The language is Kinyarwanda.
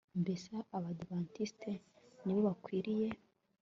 Mbese Abadiventisti ni bo bakwiriye